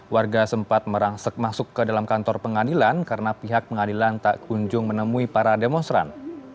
warga sempat merangsek masuk ke dalam kantor pengadilan karena pihak pengadilan tak kunjung menemui para demonstran